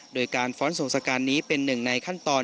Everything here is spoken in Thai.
โดยการฟ้อนสงศการนี้เป็นหนึ่งในขั้นตอน